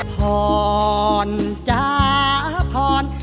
พ้อนจ๊ะพ้อน